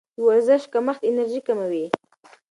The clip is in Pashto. د ورزش کمښت انرژي کموي.